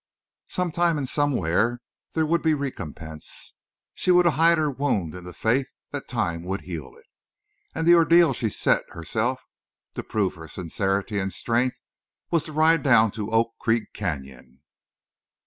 Sometime and somewhere there would be recompense. She would hide her wound in the faith that time would heal it. And the ordeal she set herself, to prove her sincerity and strength, was to ride down to Oak Creek Canyon.